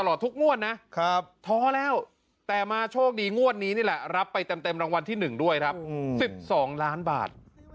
๑๒ล้านบาท